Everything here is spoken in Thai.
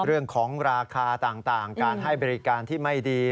เรื่องของราคาต่างการให้บริการที่ไม่ดี